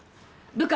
部下？